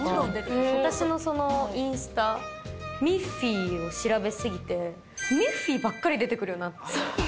私のインスタ、ミッフィーを調べすぎて、ミッフィーばっかり出てくるようになって。